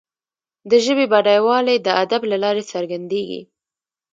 د ژبي بډایوالی د ادب له لارې څرګندیږي.